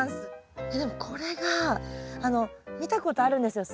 えっでもこれが見たことあるんですよ